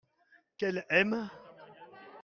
qu'elle aime.